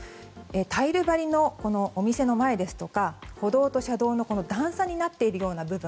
タイル張りのお店の前ですとか歩道と車道の段差になっているような部分。